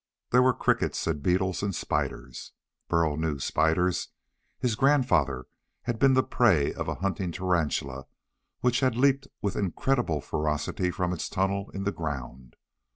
There were crickets, and beetles, and spiders.... Burl knew spiders! His grandfather had been the prey of a hunting tarantula which had leaped with incredible ferocity from its tunnel in the ground.